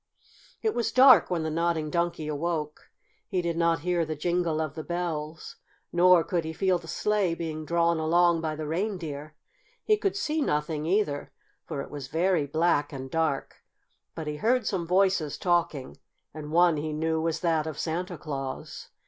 It was dark when the Nodding Donkey awoke. He did not hear the jingle of the bells, nor could he feel the sleigh being drawn along by the reindeer. He could see nothing, either, for it was very black and dark. But he heard some voices talking, and one he knew was that of Santa Claus.